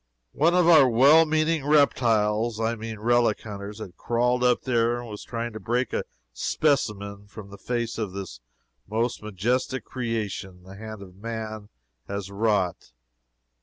One of our well meaning reptiles I mean relic hunters had crawled up there and was trying to break a "specimen" from the face of this the most majestic creation the hand of man has wrought.